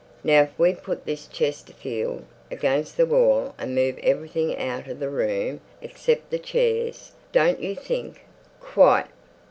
"Now, if we put this chesterfield against the wall and move everything out of the room except the chairs, don't you think?" "Quite."